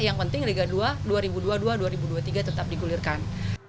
yang penting liga dua dua ribu dua puluh dua dua ribu dua puluh tiga tetap digulirkan